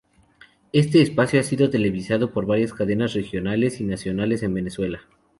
Este espacio ha sido televisado por varias cadenas regionales y nacionales en Venezuela.